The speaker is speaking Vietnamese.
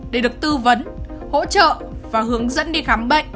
để được tư vấn hỗ trợ và hướng dẫn đi khám bệnh